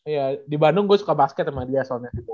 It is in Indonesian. ya di bandung gue suka basket sama dia soalnya